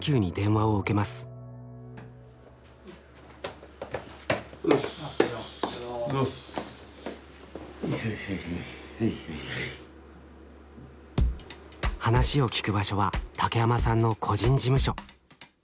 話を聞く場所は竹山さんの個人事務所。